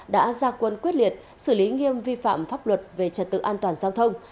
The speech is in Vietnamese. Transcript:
đã ra quân quyết liệt xử lý nghiêm vi phạm pháp luật về trật tự an toàn giao thông